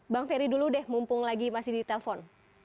bang ferry dulu deh mumpung lagi masih ditelepon